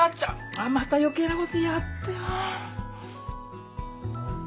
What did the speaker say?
あっまた余計なこと言いやがってよ。